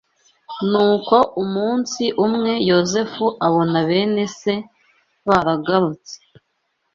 Nuko umunsi umwe Yozefu abona bene se baragarutse